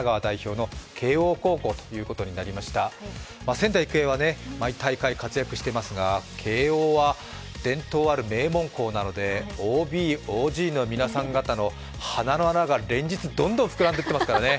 仙台育英は毎大会活躍していますが慶応は伝統ある伝統校なのでＯＢ、ＯＧの皆さん方の鼻の穴がどんどん膨らんできますからね。